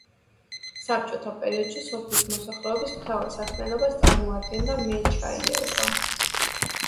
საბჭოთა პერიოდში სოფლის მოსახლეობის მთავარ საქმიანობას წარმოადგენდა მეჩაიეობა.